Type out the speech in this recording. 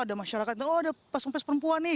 ada masyarakat oh ada pas pes perempuan nih